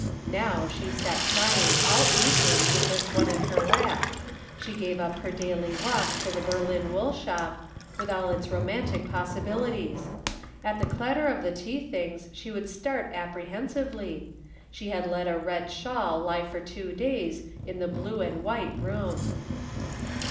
Now she sat crying all evening with this one on her lap; she gave up her daily walk to the Berlin wool shop, with all its romantic possibilities; at the clatter of the tea things she would start apprehensively; she had let a red shawl lie for two days in the blue and white room.